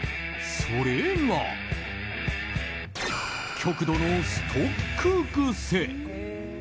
それが、極度のストック癖。